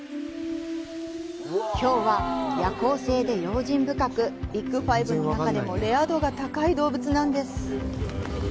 ヒョウは夜行性で用心深くビッグ５の中でもレア度が高い動物なんです。